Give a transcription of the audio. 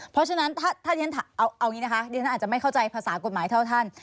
เพราะฉะนั้นถ้าเรียนเอาอย่างนี้นะคะดิฉันอาจจะไม่เข้าใจภาษากฎหมายเท่าท่าน